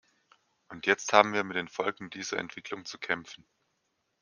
Und jetzt haben wir mit den Folgen dieser Entwicklung zu kämpfen.